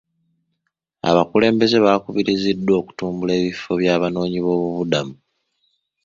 Abakulembeze baakubiriziddwa okutumbula ebifo by'abanoonyi boobubudamu.